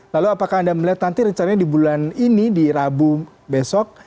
lalu apakah anda melihat nanti rencananya di bulan ini di rabu besok